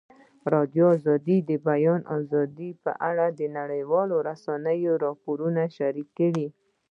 ازادي راډیو د د بیان آزادي په اړه د نړیوالو رسنیو راپورونه شریک کړي.